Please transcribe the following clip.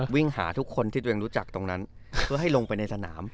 วิ่งหาทุกคนที่ตัวเองรู้จักตรงนั้นเพื่อให้ลงไปในสนาม